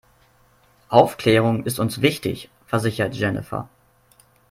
Aufklärung ist uns wichtig, versichert Jennifer.